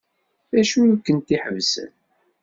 D acu ay kent-iḥebsen?